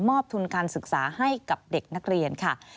ทุนการศึกษาให้กับเด็กนักเรียนค่ะ